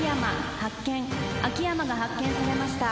秋山が発見されました。